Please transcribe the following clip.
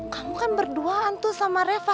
kamu kan berduaan tuh sama reva